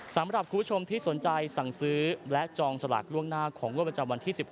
สำหรับคุณผู้ชมที่สนใจสั่งซื้อและจองสลากล่วงหน้าของงวดประจำวันที่๑๖